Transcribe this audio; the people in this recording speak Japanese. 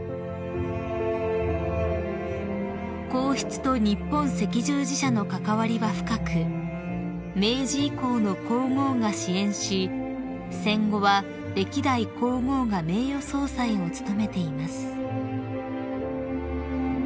［皇室と日本赤十字社の関わりは深く明治以降の皇后が支援し戦後は歴代皇后が名誉総裁を務めています］